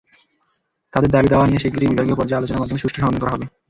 তাঁদের দাবিদাওয়া নিয়ে শিগগিরই বিভাগীয় পর্যায়ে আলোচনার মাধ্যমে সুষ্ঠু সমাধান করা হবে।